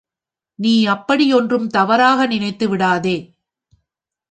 நீ அப்படி ஒன்றும் தவறாக நினைத்துவிடாதே.